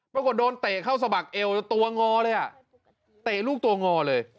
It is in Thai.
ปรากฏโดนเตะเข้าสะบักเอวตัวงอเลยอ่ะเตะลูกตัวงอเลย